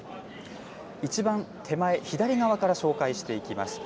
一番手前、左側から紹介していきます。